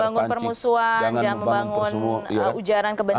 jangan membangun permusuhan jangan membangun ujaran kebencian